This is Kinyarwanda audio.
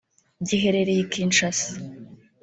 giherereye i Kinshasa